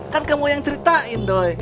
kan kamu yang ceritain doy